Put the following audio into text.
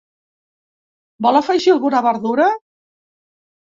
Vol afegir alguna verdura?